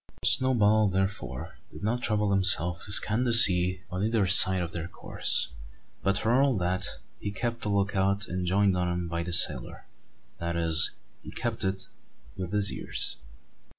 Snowball, therefore, did not trouble himself to scan the sea on either side of their course; but for all that he kept the look out enjoined on him by the sailor, that is, he kept it with his ears!